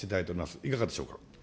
いかがでしょうか。